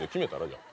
じゃあ。